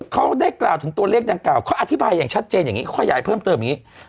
เขาได้กล่าวถึงตัวเลขดังกล่าวเขาอธิบายอย่างชัดเจนอย่างนี้เขาขยายเพิ่มเติมอย่างนี้